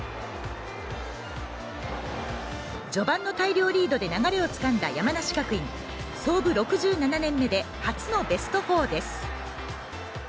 序盤の大量リードで流れを掴んだ山梨学院、創部６７年目で初のベスト４です。